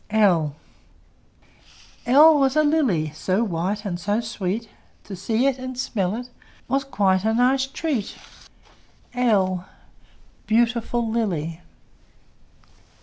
L L was a lily, So white and so sweet! To see it and smell it Was quite a nice treat. l! Beautiful lily!